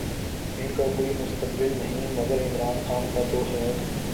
ان کا کوئی مستقبل نہیں، مگر عمران خان کا تو ہے۔